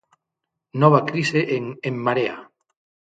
Nova crise en En Marea.